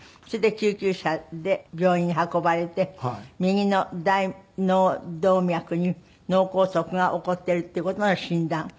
それで救急車で病院に運ばれて右の大脳動脈に脳梗塞が起こってるっていう事の診断。